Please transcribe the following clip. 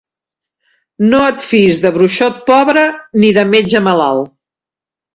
No et fiïs de bruixot pobre ni de metge malalt.